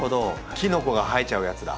キノコが生えちゃうやつだ。